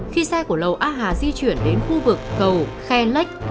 khi xe của lầu a hà di chuyển đến khu vực cầu khe lách